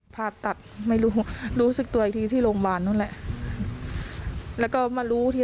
พยายามที่ดีอย่างอัฐรยาศัยดี